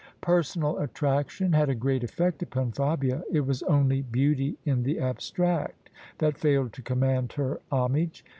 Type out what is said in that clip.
Per sonal attraction had a great effect upon Fabia: it was only beauty in the abstract that failed to command her homage.